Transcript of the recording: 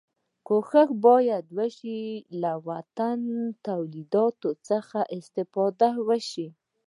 کوښښ باید وشي له وطني تولیداتو څخه استفاده وشي.